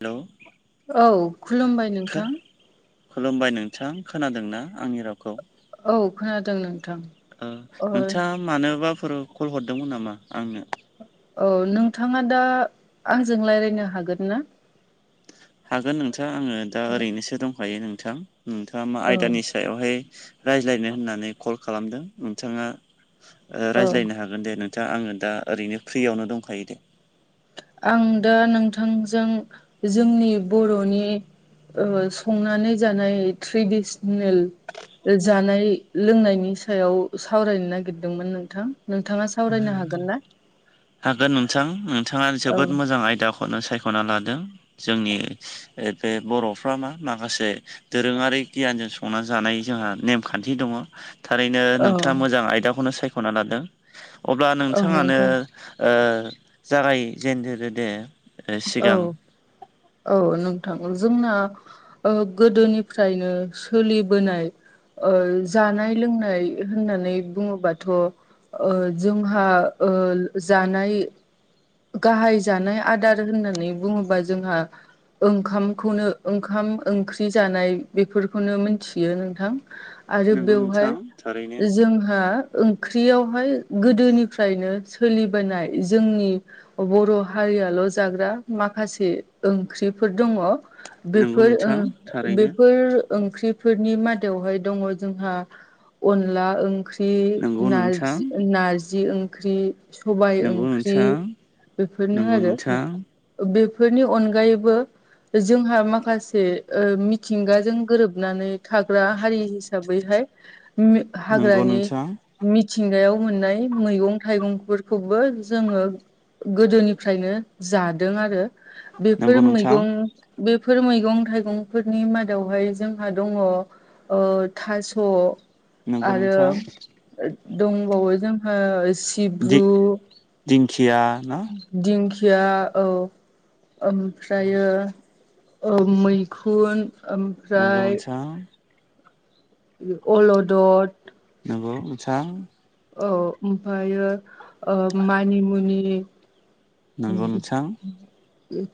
Hello औ खुलुमबाय नोंथां। खुलुमबाय नोंथां खोनादों ना आंनि रावखौ? औ खोनादों नोंथां। ओम ओ नोंथाङा मानोबाफोर कल हरदोंमोन नामा आंनो? औ नोंथाङा दा आंजों रायज्लायनो हागोन ना हागोन नोंथाङां आङो दा ओरैनोसो दंखायो नोंथां नोंथाङा मा औ आयदानि सायाव सायावहाय रायज्लायनो होननानै कल खालामदों नोंथाङा औ रायज्लायनो हागोन जागोन दे नोंथाङा आङो दा ओरैनो फ्रियावनो दंखायो दे आं दा नोंथांजों जोंनि बर'नि ओ संनानै जानाय ट्रेडिसनेल जानाय लोंनायनि सायाव सावरायनो नागिरदोंमोन नोंथां नोंथाङा सावरायनो हागोन ना? हागोन नोंथां नोंथाङा औ जोबोद मोजां आयदाखौ खौनो सायख'ना लादों जोंनि बे बर'फ्रा मा माखासे दोरोङारि गियानजों संनानै जानाय जोंहा नेमखान्थि दङ थारैनो औ नोंथाङा मोजां आयदाखौनो सायख'ना लादों अब्ला औ नोंथाङानो नोंथां ओ जागायजेनग्रोदो दे औ सिगां औ नोंथां जोंना ओ गोदोनिफ्रायनो सोलिबोनाय ओ जानाय लोंनाय होननानै बुङोबाथ' ओ जोंहा ओ जानाय गाहाय जानाय आदार होननानै बुङोबा जोंहा ओंखामखौनो ओंखाम ओंख्रि जानाय बेफोरखौनो मिथियो नोंथां आरो नंगौ बेवहाय नोंथां थारैनो जोंहा ओंख्रियावहाय गोदोनिफ्रायनो सोलिबोनाय जोंनि बर' हारियाल' जाग्रा माखासे ओंख्रिफोर दङ नंगौ बेफोर नोंथां ओ थारैनो बेफोर ओंख्रिफोरनि मादावहाय दङ जोंहा अनला ओंख्रि नंगौ ओंख्रि नोंथां नारजि नारजि ओंख्रि सबाय नंगौ ओंख्रि नोंथां बेफोरनो नंगौ आरो नोंथां बेफोरनि अनगायैबो जोंहा माखासे ओ मिथिंगाजों गोरोबनानै थाग्रा हारि हिसाबैहाय मि नंगौ हाग्रानि नोंथां मिथिंगायाव मोननाय मैगं थाइगंफोरखौबो जोङो गोदोनिफ्रायनो जादों आरो बेफोर नंगौ नोंथां मैगं बेफोर मैगं थाइगंफोरनि मादावहाय जोंहा दङ ओ थास' नंगौ आरो नोंथां दंबावो जोंहा दि सिब्रु दिंखिया ना दिंखिया औ ओमफ्रायो ओ मैखुन ओम नोंगौ नोंसां अलदद नंगौसा औ ओमफ्रायो ओ मानिमुनि नंगौ नोंथां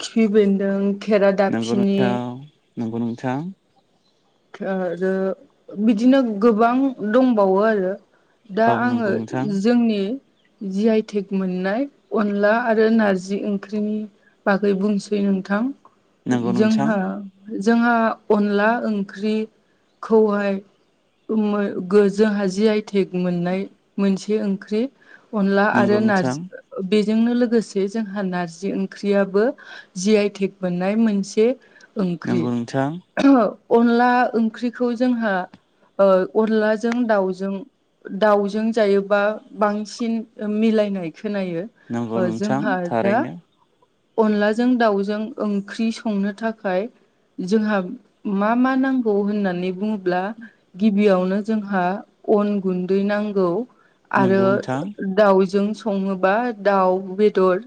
खिफि बेन्दों खेरा, नंगौ दाबफिनि नोंथां नंगौ नोंथां आरो बिदिनो गोबां दंबावो आरो दा औ आङो नंगौ नोंथां जोंनि जि आइटेक मोननाय अनला आरो नारजि ओंख्रिनि बागै बुंसै नोंथां नंगौ नोंथां जोंहा जोंहा अनला ओंख्रि खौहाय मो जोंहा जियाय मोननाय मोनसे ओंख्रि अनला नंगौ आरो नोंथां नारजि बेजोंनो लोगोसे जोंहा नारजि ओंख्रियाबो जि आइ थेक मोननाय मोनसे नंगौ ओंख्रि नोंथां अनला ओंख्रिखौ जोंहा ओ अनलाजों दाउजों दाउजों जायोबा बांसिन मिलायनाय खोनायो नंगौ अजों नोंथां हारदा थारैनो अनलाजों दाउजों ओंख्रि संनो थाखाय जोंहा मा मा नांगौ होननानै बुङोब्ला गिबियावनो जोंहा अन गुन्दै नांगौ नंगौ आरो नोंथां दाउजों सङोबा दाउ बेदर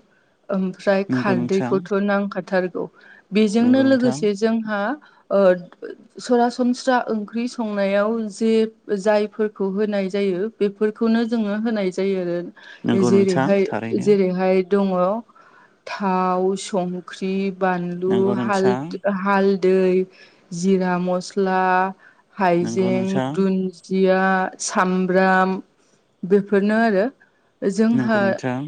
ओमफ्राय नंगौ नोंथां खारदैखौथ' नांखाथारगौ बेजोंनो नंगौ नोंथां लोगोसे जोंहा ओ सरासनस्रा ओंख्रि संनायाव जे जायफोरखौ होनाय जायो बेफोरखौनो जोङो होनाय जायो आरो नंगौ नोंथां जेरैहाय थारैनो जेरैहाय दङ थाव, संख्रि, बानलु, नंगौ हाल नोंथां हालदै, जिरा मस्ला, नंगौ हायजें, नोंथां दुन‌ दिया, सामब्राम बेफोरनो आरो। नंगौ जोंहा नोंथां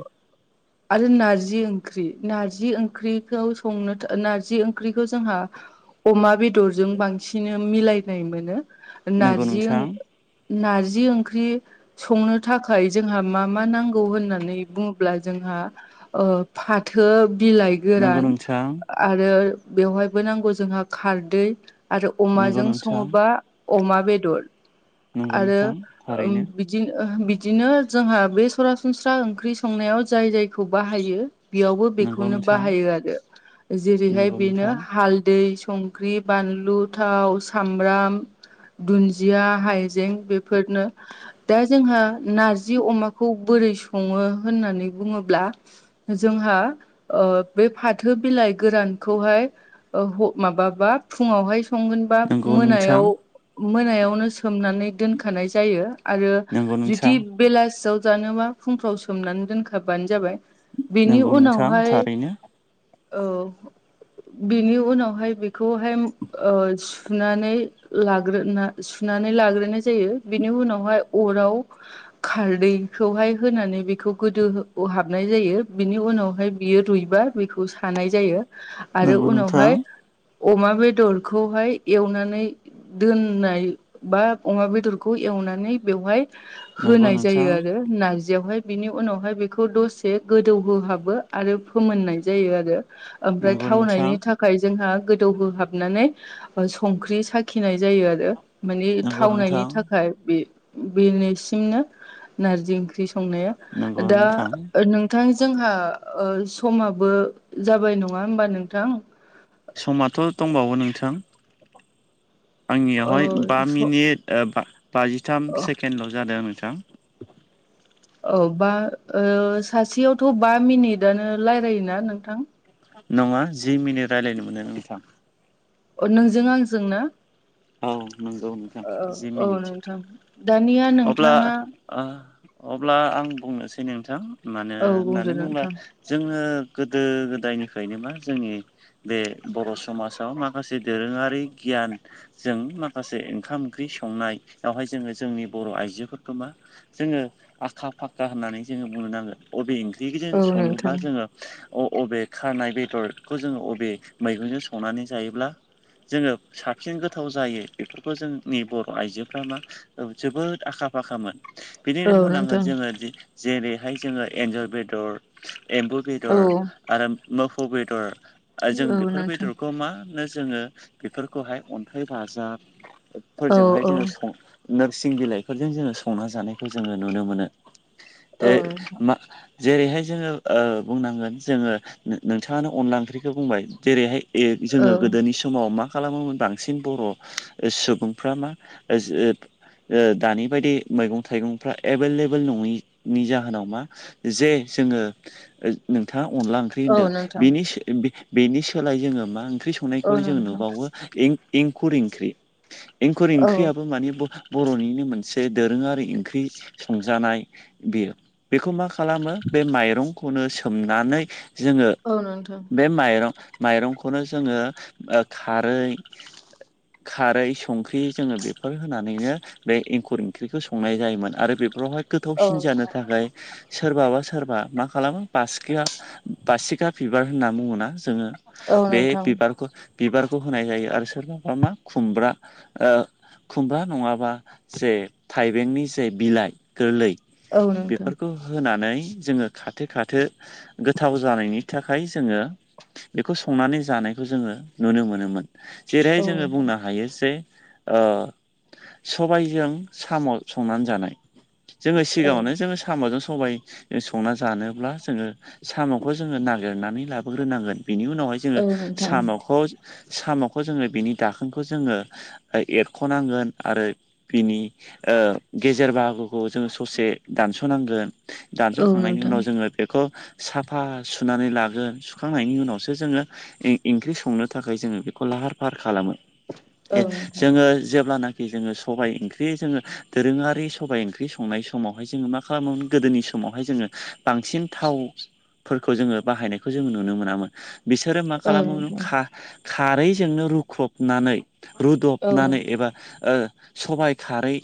आरो नारजि ओंख्रि नारजि ओंख्रिखौ संनो नारजि ओंख्रिखौ जोंहा अमा बेदरजों बांसिन मिलायनाय मोनो नंगौ नारजि नोंथां ओं नारजि ओंख्रि संनो थाखाय जोंहा मा मा नांगौ होननानै बुङोब्ला जोंहा ओ फाथो बिलाइ नंगौ गोरान नोंथां आरो बेवहायबो नांगौ जोंहा खारदै आरो नंगौ अमाजों नोंथां सङोबा अमा बेदर नंगौ आरो नोंथां थारैनो बिदिनो बिदिनो जोंहा बे सरासनस्रा ओंख्रि संनायाव जाय जायखौ बाहायो बेयावबो नंगौ बेखौनो नोंथां बाहायो आरो जेरैहाय नंगौ बेनो नोंथां हालदै संख्रि, बानलु, थाव, सामब्राम दुन्दिया, हाइजें बेफोरनो। दा जोंहा नारजि अमाखौ बोरै सङो होननानै बुङोब्ला जोंहा ओ बे फाथो बिलाइ गोरानखौहाय ओ माबाबा फुङावहाय संगोनबा नंगौ नोंथां मोनायाव मोनायावनो सोमनानै दोनखानाय जायो आरो नंगौ जुदि नोंथां बेलासियाव जानोबा फुंफ्राव सोमनानै दोनखाबबानो जाबाय। बेनि नंगौ नोंथां उनावहाय थारैनो औ बेनि उनाव खौ बेखौहाय ओ सुनानै लाग्रोन ना सुनानै लाग्रोनाय जायो बेनि उनावहाय अराव खारदैखौहाय होनानै बेखौ गोदो हाबनाय जायो बिनि उनावहाय बियो रुइबा बेखौ सानाय जायो आरो नंगौ नोंथां उनावहाय अमा बेदरखौहाय एवनानै दोननाय बा अमा बेदरखौ एवनानै बेवहाय नंगौ होनाय जायो नोंथां आरो नारजियावहाय बिनि उनावहाय बेखौ दसे गोदौहोहाबो आरो फोमोननाय जायो आरो ओमफ्राय नंगौ नोंथां थावनायनि थाखाय जोंहा गोदौहोहाबनानै संख्रि साखिनाय जायो आरो माने नंगौ थावनायनि नोंथां थाखाय बे बेननिसिमनो नारजि ओंख्रि संनाया नंगौ दा नोंथां नों थां जोंहा समाबो जाबाय नङा होमबा नोंथां? समाथ' दंबावो नोंथां आंनियावहाय बा ओ मिनिट बाजिथाम औ सेकेणडल' जादोंं नोंथां औ बा ओ सासेयावथ' बा मिनिटनो रायलायोना नोंथां? नङा जि मिनिट रायज्लायनो मोनो नोंथां। अ नोंजों आंजों ना? औ नंगौ नोंथां जि औ औ मिनिट नोंथां दानिया अब्ला नोंथाङा ओ अब्ला आं बुंनोसै नोंथां मानो औ बुंदो होननानै बुङोब्ला नोंथां जोंङो गोदो गोदायनिफ्रायनो मा जोंनि बे बर' समाजाव माखासे दोरोङारि गियान जों माखासे ओंखाम ओंख्रि संनायावहाय जोंङो जोंनि बर' आइजोफोरखौ मा जोंङो आखा फाखा होननानै जोंङो बुंनो नांगोन अबे ओंख्रिखौ जों औ सङोब्ला नोंथां जोंङो अ अबे खानाय बेदरखौ जोंङो अबे मैगंजों संनानै जायोब्ला जोंङो साबसिन गोथ गोथाव जायो बेफोरखौ जोंनि बर' आइजोफ्रा मा जोबोद आखा फाखामोन औ बिनिनो बुंनांगोन नोंथां जोंङो जेरैहाय जोंङो एन्जर बेदर एमबु औ बेदर आरो मोफौ बेदर ओ जों औ बेफोर नोंथां बेदरखौ मानो जोङो बेफोरखौहाय अन्थाइ बाजाब औ फोरजोंहाय औ जोंङो सं नोरसिं बिलाइफोरजों जोङो संना जानायखौ जोङो नुनो मोनो। औ दे नोंथां म जेरैहाय जोंङो बुंनांगोन जोंङो नोंथाङानो अनला ओंख्रिखौ बुंबाय जेरैहाय ए औ जोंङो गोदोनि समाव मा खालामोमोन बां बांसिन बर' सुबुंफ्रा मा [unintelligible] ओ दानि बायदि मैगं थाइगंफ्रा एभेलेबेल नङैनि जाहोनाव मा जे जोंङो नोंथाङा अनला ओंख्रि औ नोंथां होनदोंनि बेनि सोलाय जोंङो मा ओंख्रि औ संनायखौनो जोंङो नोंथां औ नुबावो एंखुर ओंख्रि एंखुर ओंख्रियाबो मानि बर'निनो मोनसे दोरोङारि ओंख्रि संजानाय बेयो बेखौ मा खालामो बे माइरंखौनो सोमनानै जोंङो औ नोंथां बे माइरं माइरंखौनो जोंङो खारै खारै संख्रि जोंङो बेफोर होनानैनो बे एंखुर ओंख्रिखौ संनाय जायोमोन आरो बेफोरावहाय गोथावसिन औ जानो थाखाय सोरबा बा सोरबा मा खालामो बासकिया बासिखा बिबार होनना बुङा जोंङो बे बिबारखौ बिबारखौ होनाय जायो आरो सोरबाबा मा खुमब्रा ओ खुमब्रा नंङाबा जे थाइबेंनि जे बिलाइ गोरलै नोंथां औ नोंथां औ नोंथां बेफोरखौ होनानै जोङो खाथो खाथो गोथाव जानायनि थाखाय जोङो बेखौ संनानै जानायखौ जोङो नुनो मोनोमोन। जेरैहाय जोङो औथ बुंनो हायो जे ओ सबायजों साम' संनानै जानाय। जोङो औ सिगाङावनो जोङो साम'जों सबाय संना जानोब्ला जोङो साम'खौ जोङो नागिरनानै लाबोग्रोनांगोन बेनि उनावहाय जोङो औ नोंथां साम'खौ साम'खौ जोङो बिनि दाखोनखौ जोङो एरख'नांगोन आरो बिनि ओ गेजेर बाहागोखौ जोङो ससे दानस'नांगोन। औ दानस'खांनायनि नोंथां औ नोंथां औ उनाव जोङो बेखौ साफा सुनानै लागोन सुखांनायनि उनावसो जोंङो ओंख्रि संनो थाखाय जोंङो बेखौ लाहार फाहार खालामो ए जोंङो जेब्लानाखि जोंङो सबाइ ओंख्रि जोंङो दोरोङारि सबाइ ओंख्रि संनाय समावहाय जोंङो मा खालामोमोन गोदोनि सम समावहाय जोंङो बांसिन थावफोरखौ जोंङो बाहायनायखौ जों नुनो मोनामोन। बिसोरो मा खालामोम नोंथां खारैजोंनो रुखबनानै औ नोंथां रुदबनानै औ एबा ओ सबाय खारै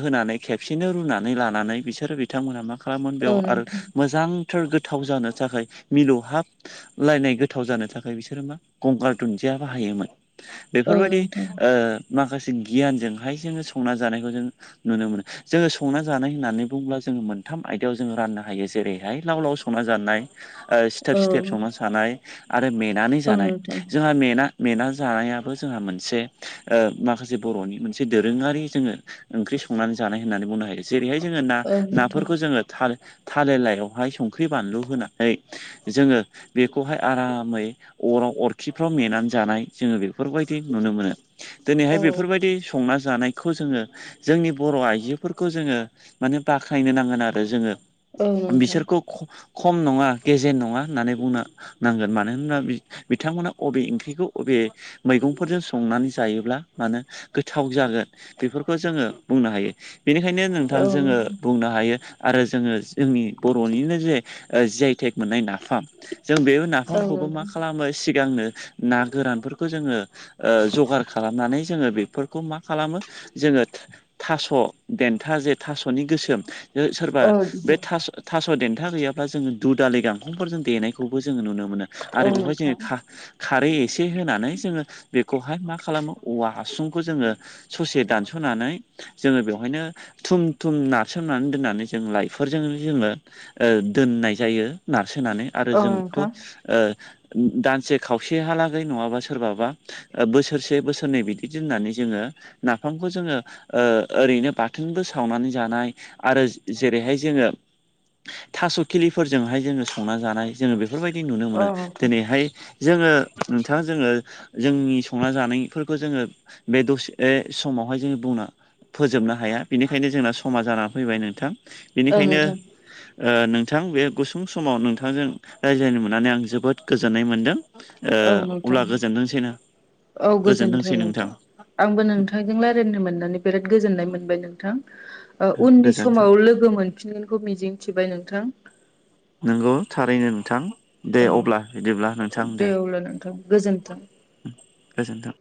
होनानै खेबसेनो रुनानै लानानै बिसोरो बिथांमोनहा मा खालामोन बेयाव आरो नोंथां मो मोजांथार गोथाव जानो थाखाय मिलौहाब लायनाय गोथाव जानो थाखाय बिसोरो मा गंगार दुन्दिया बाहायोमोन। औ बेफोरबायदि नोंथां ओ माखासे गियानजोंहाय जोंङो संना जानायखौ जों नुनो मोनो। जोङो संना जानाय होननानै बुङोब्ला जोङो मोनथाम आयदायाव जोङो राननो हायो जेरैहाय लाव लाव संना जानाय ओ सिथेब औ सिथेब संना जानाय आरो मेनानै औ जानाय नोंथां जोंहा मेना मेना जानायाबो जोंहा मोनसे ओ माखासे बर'नि मोनसे दोरोङारि जोङो ओंख्रि संनानै जानाय होननानै बुंनो हायो। जेरैहाय जोङो ना औ नोंथां नाफोरखौ जोङो थाल-थालिर लायावहाय संख्रि बानलु होनानै जोङो बेखौहाय आरामै अराव अरखिफ्राव मेनानै जानाय। जोङो बेफोरबायदि नुनो मोनो दिनैहाय औ बेफोरबायदि संना जानायखौ जोङो जोंनि बर' आइजोफोरखौ जोङो माने बाख्नायनो नांगोन आरो जोङो। औ नोंथां बिसोरखौ ख खम नङा गेजेर नङा होननानै बुंनो नांगोन मानो होनोबा बिथांमोना अबे ओंख्रिखौ बबे मैगंफोरजों संनानै जायोब्ला मानो गोथाव जागोन बेफोरखौ जोङो बुंनो हायो बेनिखायनो नोंथां जोङो बुंनो हायो। आरो जोङो जोंनि बर'निनो जे ओ जियाइटेक मोननाय नाफाम जों बे औ नाफामखौबो मा नोंथां खालामो सिगांनो ना गोरानफोरखौ जोङो ओ जगार खालामनानै जोङो बेफोर खौ मा खालामो जोङो थास' देन्था जे थास'नि गोसोम सोरबा औ बे थास-थास' देथा गैयाबा जोङो दु दालि गांखंफोर जों देनाय खौबो जोङो नुनो मोनो आरो औ बेवहाय जोङो नोंथां औ नोंथां खा-खारै एसे होनानै जोङो बेखौहाय मा खालामो औवा हासुंखौ जोङो ससे दानस'नानै जोङो बेवहायनो थुम थुम नारसोमनानै दोननानै जों लाइफोरजोंनो जोङो ओ दोननाय जायो नारसोनानै। आरो औ जों नोंथां बेखौ ओ दानसे खावसेहालागै नङाबा सोरबाबा बोसोरसे बोसोरनै बिदि दोननानै जोङो नाफामखौ जोङो ओ ओरैनो बाथोनबो सावनानै जानाय आरो जेरैहाय जोङो थास' खिलिफोरजोंहाय जोङो संना जानाय जोङो बेफोरबायदि नुनो मोनो औ दिनैहाय जोङो नोंथाङा जोङो जोंनि संना जानायफोरखौ जोङो बे दसे समावहाय जोङो बुंना फोजोबनो हाया। बिनिखायनो जोंना समा जानानै फैबाय नोंथां बेनिखायनो नोंथां ओ नोंथां बे गुसुं समाव नोंथांजों रायज्लायनो मोननानै आं जोबोद गोजोननाय मोन्दों । औ ओ नोंथां अब्ला गोजोनदोंसैना औ गोजोनथों गोजोनदोंसै नोंथां। आंबो नोंथांजों रायजलायनो मोननानै बिराद गोजोननाय मोनबाय नोंथां। उननि गोजोन्थों समाव लोगो मोनफिनगोनखौ मिजिंथिबाय नोंथां। नोंगौ थारैनो नोंथां दे औ अब्ला बिदिब्ला नोंथां दे। अब्ला नोंथां गोजोन्थों गोजोनथों।